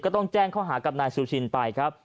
ก็ต้องแจ้งเข้าหากับนายซิลชินฮันแห่งไป